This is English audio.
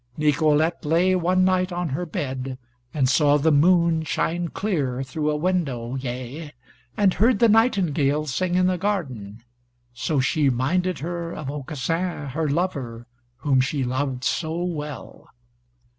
Nicolete lay one night on her bed, and saw the moon shine clear through a window, yea, and heard the nightingale sing in the garden, so she minded her of Aucassin her lover whom she loved so well.